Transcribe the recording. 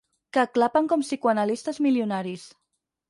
Que clapen com psicoanalistes milionaris.